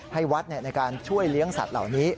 ให้วัดในการช่วยเลี้ยงสัตว์เหล่านี้